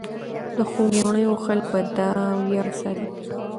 د خوګیاڼیو خلک به دا ویاړ ساتي.